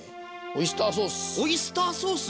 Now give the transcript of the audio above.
オイスターソース？